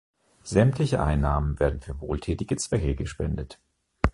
Sämtliche Einnahmen werden für wohltätige Zwecke gespendet.